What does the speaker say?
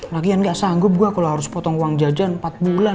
lagian gak sanggup gue kalau harus potong uang jajan empat bulan